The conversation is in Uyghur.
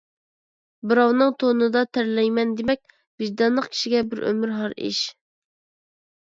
بىراۋنىڭ تونىدا تەرلەيمەن دېمەك، ۋىجدانلىق كىشىگە بىر ئۆمۈر ھار ئىش.